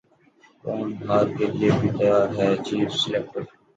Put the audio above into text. قوم ہار کیلئے بھی تیار رہے چیف سلیکٹر